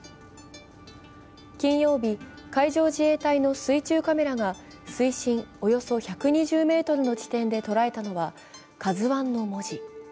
金曜日、海上自衛隊の水中カメラが水深およそ１２０ｍの地点で捉えたのは「ＫＡＺＵⅠ」の文字。